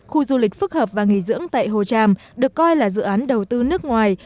khu du lịch phước hợp và nghỉ dưỡng tại hồ tràm được coi là dự án đầu tư nước ngoài